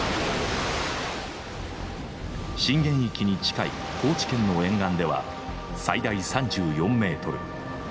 震源域に近い高知県の沿岸では最大３４ｍ。